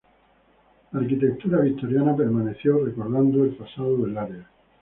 La arquitectura victoriana permaneció, recordando el pasado del área.